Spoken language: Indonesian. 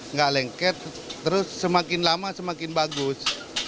nggak lengket terus semakin lama semakin bagus